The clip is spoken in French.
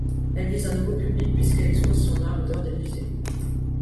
Elle vise un nouveau public puisqu'elle expose son art en dehors des musées.